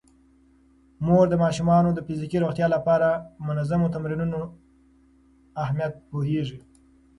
مور د ماشومانو د فزیکي روغتیا لپاره د منظمو تمرینونو اهمیت پوهیږي.